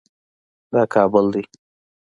دا کابل دی